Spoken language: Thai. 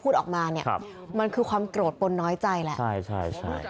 ผู้ผมเป็นพวกคนน้อยใจละ